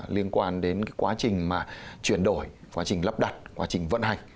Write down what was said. liên quan đến quá trình mà chuyển đổi quá trình lắp đặt quá trình vận hành